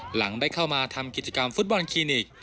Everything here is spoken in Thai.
หลังได้เข้ามาทำกิจกรรมฟุตบอลคลินิก